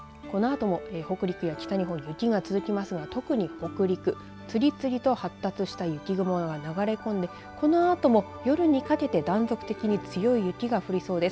このあとも北陸や北日本雪が続きますが、特に北陸次々と発達した雪雲が流れこんでこのあとも夜にかけて断続的に強い雪が降りそうです。